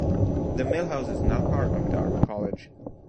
The mill house is now part of Darwin College.